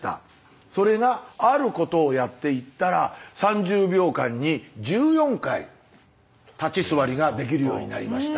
それがあることをやっていったら３０秒間に１４回立ち座りができるようになりました。